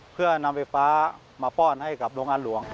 เพื่อนำไฟฟ้ามาป้อนให้กับโรงงานหลวง